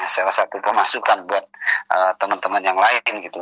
salah satu pemasukan buat teman teman yang lain gitu